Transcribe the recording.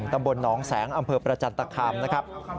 ตำบลหนองแสงอำเภอประจันตคามนะครับ